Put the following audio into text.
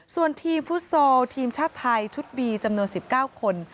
ส่วนทีมฟุตซอลทีมชาติไทยชุดบีจำนวน๑๙คน